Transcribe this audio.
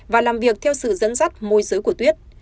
và làm việc theo sự dẫn dắt môi giới của tuyết